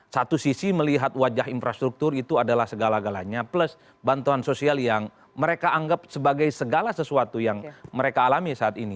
satu sisi melihat wajah infrastruktur itu adalah segala galanya plus bantuan sosial yang mereka anggap sebagai segala sesuatu yang mereka alami saat ini